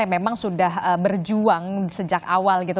yang memang sudah berjuang sejak awal gitu